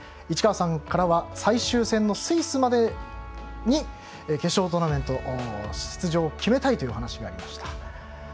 市川さんからは最終戦のスイス戦までに決勝トーナメント出場を決めたいという話がありました。